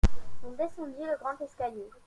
On descendit le grand escalier.